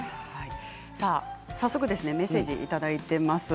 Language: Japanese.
早速メッセージをいただいています。